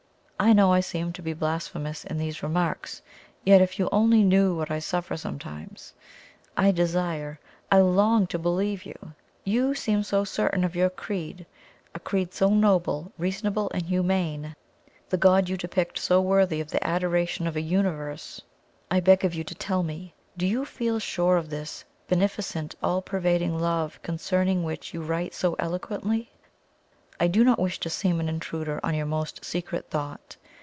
I know I seem to be blasphemous in these remarks, yet if you only knew what I suffer sometimes! I desire, I LONG to believe. YOU seem so certain of your Creed a Creed so noble, reasonable and humane the God you depict so worthy of the adoration of a Universe. I BEG of you to tell me DO you feel sure of this beneficent all pervading Love concerning which you write so eloquently? I do not wish to seem an intruder on your most secret thought.